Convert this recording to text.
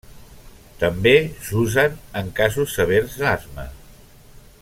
També s'usen en casos severs d'asma.